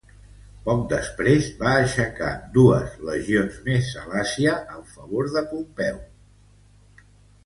Poc després va aixecar dues legions més a l'Àsia en favor de Pompeu.